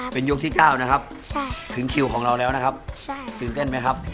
เป็นยกที่๙นะครับถึงคิวของเราแล้วนะครับตื่นเต้นไหมครับ